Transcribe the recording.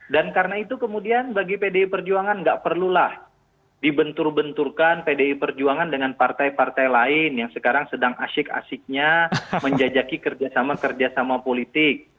dan karena itu kemudian bagi pdi perjuangan nggak perlulah dibentur benturkan pdi perjuangan dengan partai partai lain yang sekarang sedang asik asiknya menjajaki kerjasama kerjasama politik